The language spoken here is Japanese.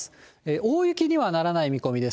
大雪にはならない見込みです。